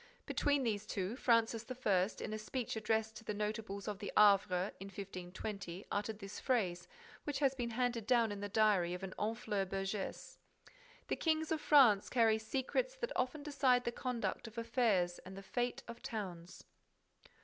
Between these two, Francis I., in a speech addressed to the notables of the Havre, in 1520, uttered this phrase, which has been handed down in the diary of a Honfleur burgess; "The Kings of France carry secrets that often decide the conduct of affairs and the fate of towns."